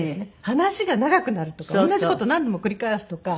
話が長くなるとか同じ事何度も繰り返すとか。